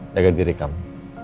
jaga diri kamu